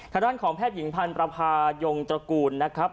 ถ้าต้านของแพทย์หญิงภัณฑ์ปรัภายมนต์ตระกูลนะครับ